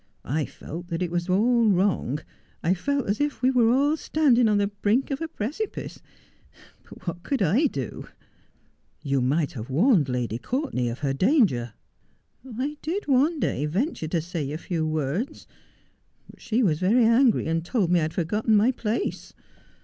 I felt that it was all wronQ — I felt as if we were all standing on the brink of a precipice — but what could I do ?'' That would, he, an Unholy Alliance.' 275 ' You might have warned Lady Courtenay of her danger.' ' I did one day venture to say a few words ; but she was very angry, and told me I had forgotten my place.